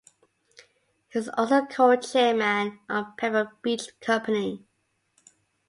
He is also co-chairman of Pebble Beach Company.